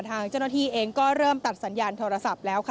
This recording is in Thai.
ทางเจ้าหน้าที่เองก็เริ่มตัดสัญญาณโทรศัพท์แล้วค่ะ